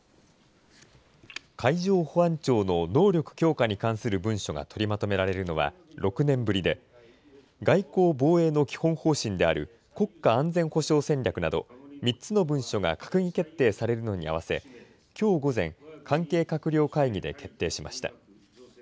海上保安庁の能力強化に関する文書が取りまとめられるのは６年ぶりで、外交・防衛の基本方針である国家安全保障戦略など、３つの文書が閣議決定されるのに合わせ、きょう午前、関係閣僚会議で決定しました。